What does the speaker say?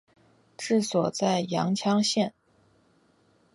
治所在牂牁县。